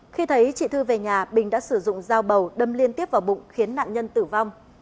khi thấy chị thư về nhà bình đã sử dụng dao bầu đâm liên tiếp vào bụng khiến nạn nhân tử vong